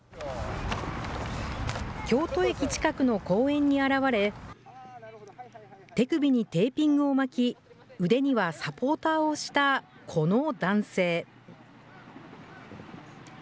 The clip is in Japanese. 京都駅近くの公園に現れ、手首にテーピングを巻き、腕にはサポーターをしたこの男性。